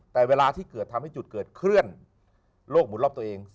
แต่เวลาที่เกิดทำให้จุดเกิดเคลื่อนโลกหมุนรอบตัวเอง